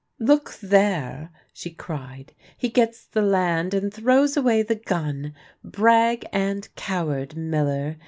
" Look there !" she cried :" he gets the land, and throws away the gun ! Brag and coward, miller